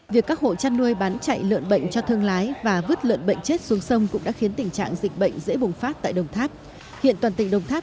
việc các hộ trăn nuôi bán chạy lợn bệnh cho thương lái và vứt lợn bệnh chết xuống sông